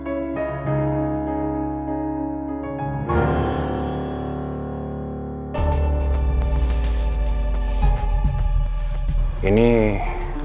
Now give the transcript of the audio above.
lestair kau bisa di materitib ya elsa